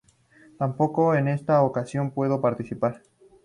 Tampoco en esta ocasión pudo participar.